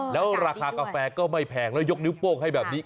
แล้วราคากาแฟก็ไม่แพงแล้วยกนิ้วโป้งให้แบบนี้